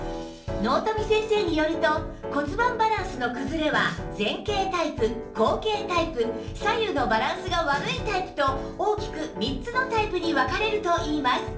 納富先生によると骨盤バランスの崩れは前傾タイプ後傾タイプ左右のバランスが悪いタイプと大きく３つのタイプに分かれるといいます